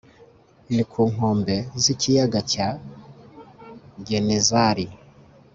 ni ku nkombe z'ikiyaga cya genezari